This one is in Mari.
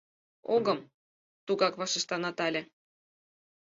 — Огым... — тугак вашешта Натале.